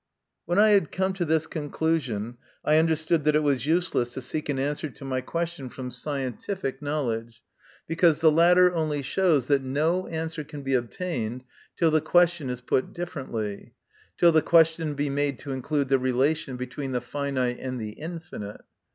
When I had come to this conclusion, I understood that it was useless to seek an 86 MY CONFESSION. answer to my question from scientific know ledge, because the latter only shows that no answer can be obtained till the question is put differently till the question be made to include the relation between the finite and the infinite.